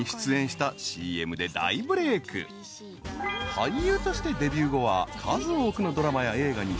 ［俳優としてデビュー後は数多くのドラマや映画に出演］